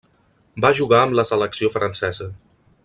Va jugar amb la selecció francesa.